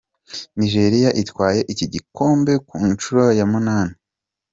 Nigeria itwaye iki gikombe ku nshuro ya munani.